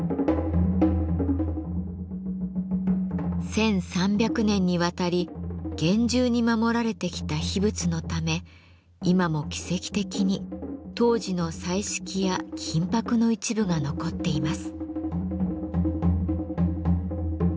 １，３００年にわたり厳重に守られてきた秘仏のため今も奇跡的に当時の彩色や金箔の一部が残っています。